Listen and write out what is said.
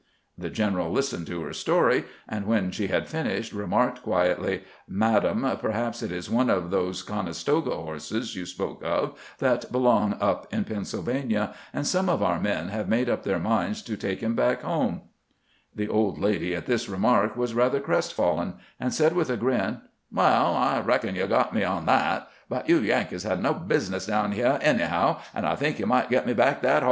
The general listened to her story, and when she had finished remarked quietly :" Madam, perhaps it is one of those Conestoga horses you spoke of that belong up in Pennsylvania, and some of our men have made up their minds to take him back home." The old lady at this remark was rather crestfallen, and said with a grin :" Well, I reckon you 've got me on that ; but you Yankees have no business down h'yah GEANT KECKOSSES THE NORTH AKNA 151 anyliow, and I think you migM get me back that boss."